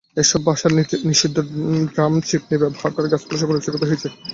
এসব ভাটায় নিষিদ্ধ ড্রাম চিমনি ব্যবহার করায় গাছপালাসহ পরিবেশের ক্ষতি হচ্ছে।